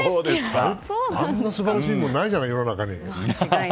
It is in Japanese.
あんな素晴らしいものないじゃない、世の中に。